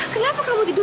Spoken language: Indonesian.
kenapa kamu tidur